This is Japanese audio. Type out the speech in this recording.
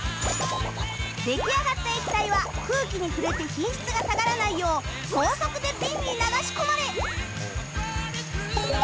出来上がった液体は空気に触れて品質が下がらないよう高速でビンに流し込まれ